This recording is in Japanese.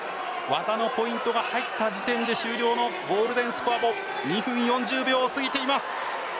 技のポイントが入った時点で終了のゴールデンスコアも２分４０秒を過ぎています。